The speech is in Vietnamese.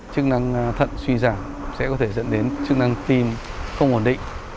chức năng thận suy giảm sẽ có thể dẫn đến chức năng tim không ổn định